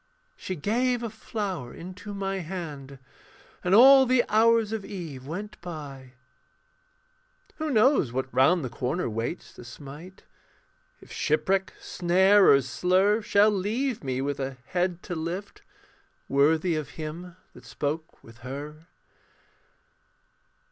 She gave a flower into my hand, And all the hours of eve went by. Who knows what round the corner waits To smite? If shipwreck, snare, or slur Shall leave me with a head to lift, Worthy of him that spoke with her.